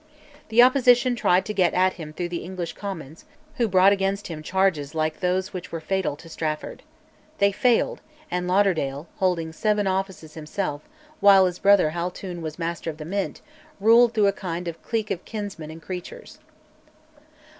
The opposition tried to get at him through the English Commons, who brought against him charges like those which were fatal to Strafford. They failed; and Lauderdale, holding seven offices himself, while his brother Haltoun was Master of the Mint, ruled through a kind of clique of kinsmen and creatures.